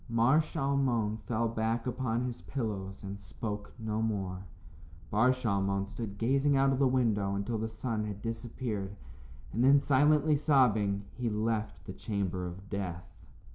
Mar Shalmon fell back upon his pillows and spoke no more. Bar Shalmon stood gazing out of the window until the sun had disappeared, and then, silently sobbing, he left the chamber of death.